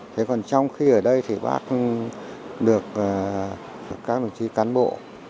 thế còn trong khi ở đây thì bác được các đồng chí cán bộ